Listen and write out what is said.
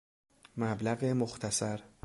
مبلغ مختصر